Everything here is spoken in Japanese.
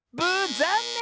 ざんねん！